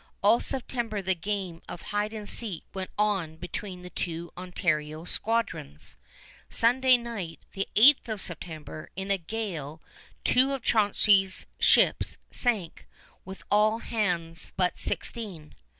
All September the game of hide and seek went on between the two Ontario squadrons. Sunday night, the 8th of September, in a gale, two of Chauncey's ships sank, with all hands but sixteen.